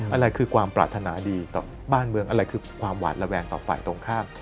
อะไรคือความปรารถนาดีต่อบ้านเมืองอะไรคือความหวาดระแวงต่อฝ่ายตรงข้าม